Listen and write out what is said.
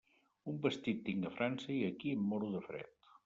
Un vestit tinc a França, i aquí em moro de fred.